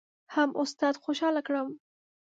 هم استاد خوشحاله کړم.